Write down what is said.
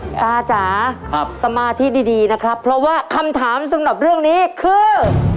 คุณตาจ๋าสมาธิดีนะครับเพราะว่าคำถามสำหรับเรื่องนี้คือ